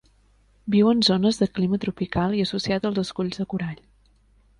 Viu en zones de clima tropical i associat als esculls de corall.